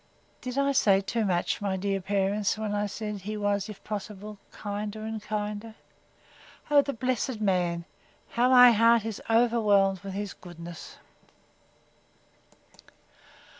Did I say too much, my dearest parents, when I said, He was, if possible, kinder and kinder?—O the blessed man! how my heart is overwhelmed with his goodness!